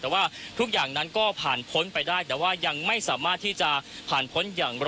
แต่ว่าทุกอย่างนั้นก็ผ่านพ้นไปได้แต่ว่ายังไม่สามารถที่จะผ่านพ้นอย่างไร